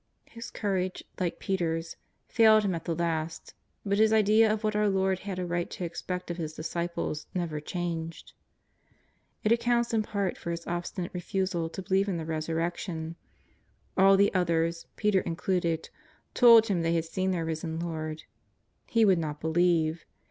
His courage, like Peter's, failed him at the last, but his idea of what our Lord had a right to expect of His disciples never changed. It accounts in part for his obstinate refusal to believe in the Resurrection. All the others, Peter included, told him they had seen their risen Lord. He would not believe.